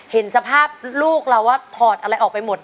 เห็นสภาพลูกเราว่าถอดอะไรออกไปหมด